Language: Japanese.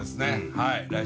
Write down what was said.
はい。